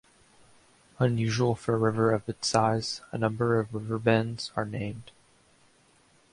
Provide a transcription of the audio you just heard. Unusual for a river of its size, a number of river bends are named.